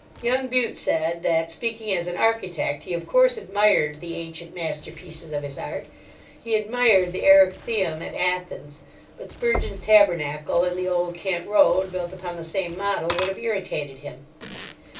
Young Bute said that, speaking as an architect, he of course admired the ancient masterpieces of his art. He admired the Erechtheum at Athens; but Spurgeon's Tabernacle in the Old Kent Road built upon the same model would have irritated him.